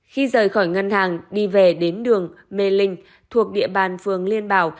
khi rời khỏi ngân hàng đi về đến đường mê linh thuộc địa bàn phường liên bảo